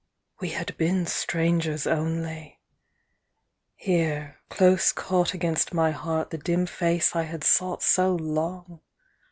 We had been strangers only ! Here, close caught Against my heart the dim face I had sought So long